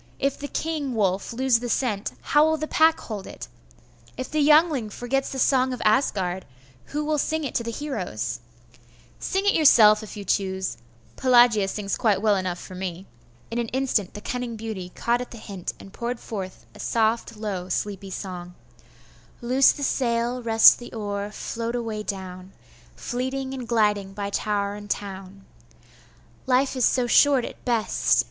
If the king wolf lose the scent, how will the pack hold it? If the Yngling forgets the song of Asgard, who will sing it to the heroes?' 'Sing it yourself, if you choose. Pelagia sings quite well enough for me.' In an instant the cunning beauty caught at the hint, and poured forth a soft, low, sleepy song: 'Loose the sail, rest the oar, float away down, Fleeting and gliding by tower and town; Life is so short at best!